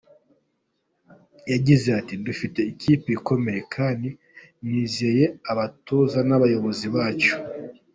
Yagize ati “Dufite ikipe ikomeye kandi nizeye abatoza n’abayobozi bacu.